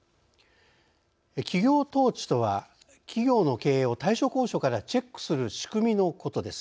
企業統治とは企業の経営を大所高所からチェックする仕組みのことです。